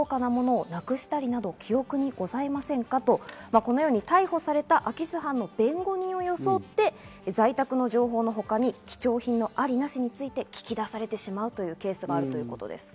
このように逮捕された空き巣犯の弁護人を装って、在宅の情報のほかに貴重品のありなしについて聞き出されてしまうというケースがあるということです。